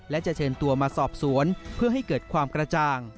และจะเชิญตัวมาสอบสวนเพื่อให้เกิดความกระจ่าง